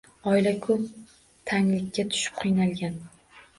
Oila ko’p tanglikka tushib qiynalgan.